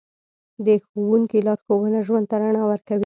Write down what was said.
د ښوونکي لارښوونه ژوند ته رڼا ورکوي.